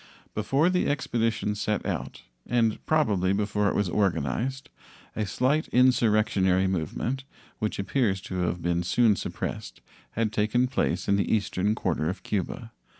Before the expedition set out, and probably before it was organized, a slight insurrectionary movement, which appears to have been soon suppressed, had taken place in the eastern quarter of Cuba.